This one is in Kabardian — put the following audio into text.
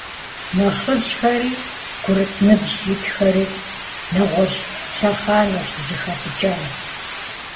Нэхъыжьхэри курыт ныбжьым итхэри нэгъуэщӀ лъэхъэнэщ зыхапӀыкӀар.